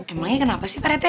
emangnya kenapa sih pak rethe